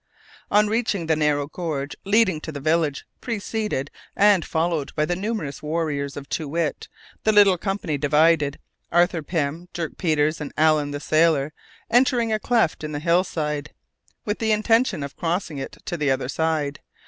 On reaching the narrow gorge leading to the village, preceded and followed by the numerous warriors of Too Wit, the little company divided, Arthur Pym, Dirk Peters, and Allen (the sailor) entering a cleft in the hill side with the intention of crossing it to the other side.